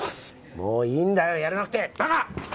もういいんだよやらなくてバカ！